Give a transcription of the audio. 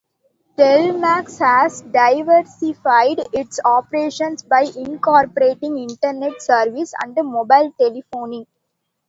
Telmex has diversified its operations by incorporating Internet service and mobile telephony.